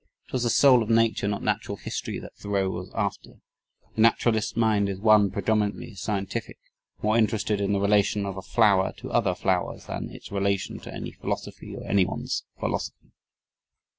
It was the soul of Nature not natural history that Thoreau was after. A naturalist's mind is one predominantly scientific, more interested in the relation of a flower to other flowers than its relation to any philosophy or anyone's philosophy.